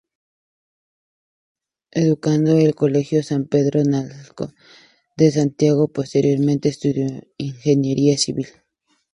Educado en el Colegio San Pedro Nolasco de Santiago, posteriormente estudió ingeniería civil.